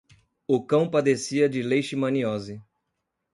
O cão padecia de leishmaniose